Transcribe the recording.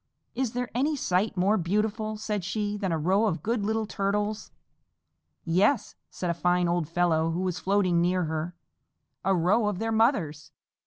"Is there any sight more beautiful," she said, "than a row of good little Turtles?" "Yes," said a fine old fellow who was floating near her, "a row of their mothers!"